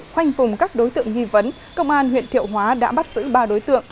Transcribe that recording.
khoanh vùng các đối tượng nghi vấn công an huyện thiệu hóa đã bắt giữ ba đối tượng